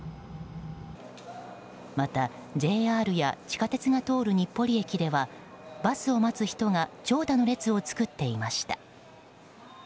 また、ＪＲや地下鉄が通る日暮里駅ではバスを待つ人が長蛇の列を作っていました。